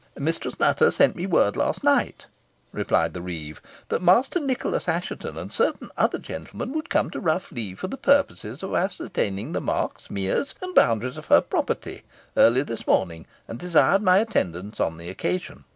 "Mistress Nutter sent me word last night," replied the reeve, "that Master Nicholas Assheton and certain other gentlemen, would come to Rough Lee for the purpose of ascertaining the marks, meres, and boundaries of her property, early this morning, and desired my attendance on the occasion.